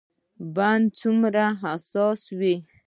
بنده دومره حساس وي.